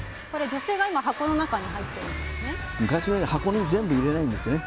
女性が箱の中に入っていますね。